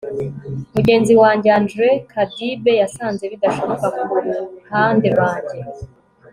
mugenzi wanjye andrew kadibe yasanze bidashoboka kuruhande rwanjye